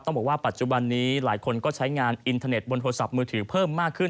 บอกว่าปัจจุบันนี้หลายคนก็ใช้งานอินเทอร์เน็ตบนโทรศัพท์มือถือเพิ่มมากขึ้น